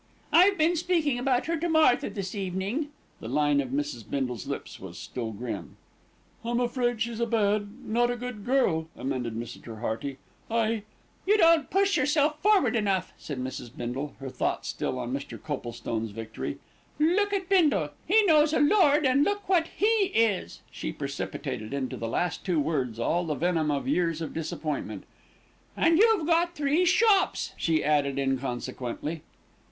"I've been speaking about her to Martha this evening." The line of Mrs. Bindle's lips was still grim. "I'm afraid she's a bad not a good girl," amended Mr. Hearty. "I " "You don't push yourself forward enough," said Mrs. Bindle, her thoughts still on Mr. Coplestone's victory. "Look at Bindle. He knows a lord, and look what he is." She precipitated into the last two words all the venom of years of disappointment. "And you've got three shops," she added inconsequently.